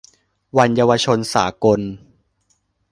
วันเยาวชนสากล